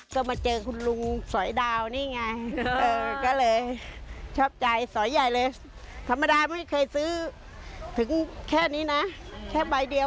ก็มาเจอคุณลุงสอยดาวนี่ไง